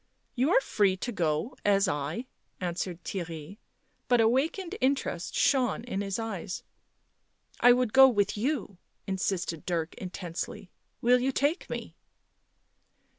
" You are free to go as I," answered Theirry, but av r akened interest shone in his eyes. " I would go with you," insisted Dirk intensely. " W T ill you take me?"